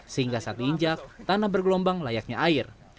sehingga saat diinjak tanah bergelombang layaknya air